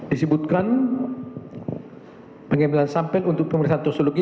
disebutkan pengambilan sampel untuk pemeriksaan tosiologi